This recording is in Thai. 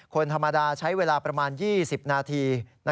คนธรรมดาใช้เวลาประมาณ๒๐นาที